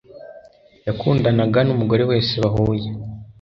Yakundana numugore wese bahuye